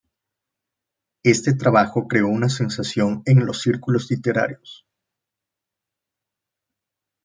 Este trabajo creó una sensación en los círculos literarios.